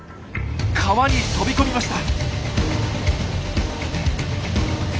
川に飛び込みました！